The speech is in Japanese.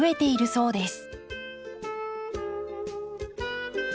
そうです。